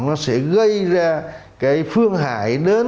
nó sẽ gây ra cái phương hại đến